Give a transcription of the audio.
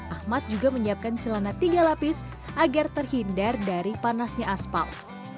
ahmad juga menyiapkan celana tiga lapis agar terhindar dari panasnya aspal